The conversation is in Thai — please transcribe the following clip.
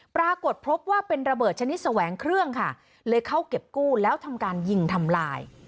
ปรากฏพบว่าเป็นระเบิดชนิดแสวงเครื่องค่ะเลยเข้าเก็บกู้แล้วทำการยิงทำลาย